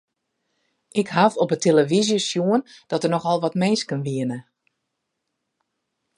Ik haw op 'e telefyzje sjoen dat der nochal wat minsken wiene.